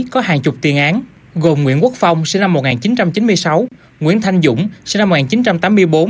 có hàng chục tiền án gồm nguyễn quốc phong sinh năm một nghìn chín trăm chín mươi sáu nguyễn thanh dũng sinh năm một nghìn chín trăm tám mươi bốn